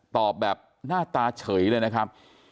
ตอบแบบหน้าตาเฉยเลยนะครับ